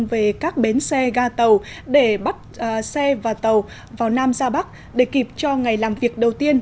về các bến xe ga tàu để bắt xe và tàu vào nam ra bắc để kịp cho ngày làm việc đầu tiên